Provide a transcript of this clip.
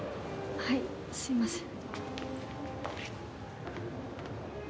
はいすいません。